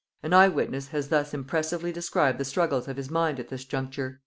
An eye witness has thus impressively described the struggles of his mind at this juncture.